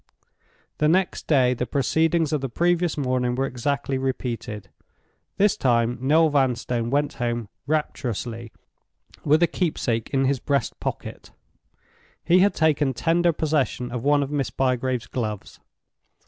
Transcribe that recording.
The next day the proceedings of the previous morning were exactly repeated. This time Noel Vanstone went home rapturously with a keepsake in his breast pocket; he had taken tender possession of one of Miss Bygrave's gloves.